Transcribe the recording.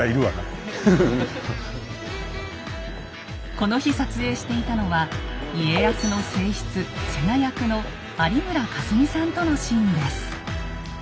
この日撮影していたのは家康の正室・瀬名役の有村架純さんとのシーンです。